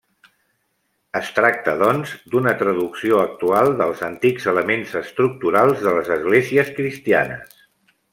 Es tracta doncs, d'una traducció actual dels antics elements estructurals de les esglésies cristianes.